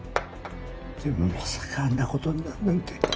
でもまさかあんな事になるなんて。